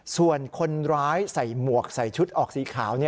ส่วนคนร้ายใส่หมวกใส่ชุดออกสีขาว